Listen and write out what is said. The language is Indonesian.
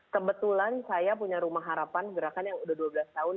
kebetulan saya punya rumah harapan gerakan yang udah dua belas tahun